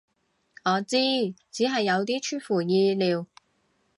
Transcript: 我知，只係有啲出乎意料